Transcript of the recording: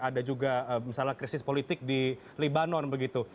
ada juga misalnya krisis politik di libanon begitu